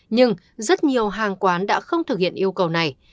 nhưng rất nhiều hàng quán đã không thực hiện yêu cầu này